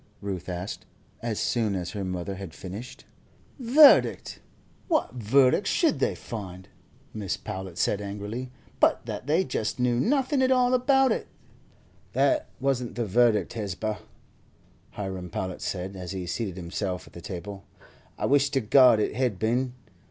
Ruth asked, as soon as her mother had finished. [Illustration: "'What verdict did you find, father?' Ruth asked."] "Verdict! What verdict should they find," Mrs. Powlett said, angrily, "but that they just knew nothing at all about it?" "That wasn't the verdict, Hesba," Hiram Powlett said, as he seated himself at the table; "I wish to God it had been.